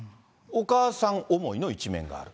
お母さん思いの一面がある。